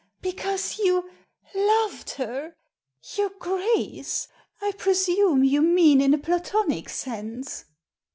"Because you — loved her! Your Grace! I pre sume you mean in a platonic sense."